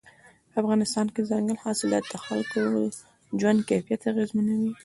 په افغانستان کې ځنګلي حاصلات د خلکو ژوند کیفیت اغېزمنوي.